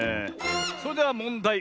それではもんだい。